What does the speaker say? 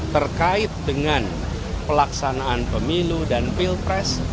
terkait dengan pelaksanaan pemilu dan pilpres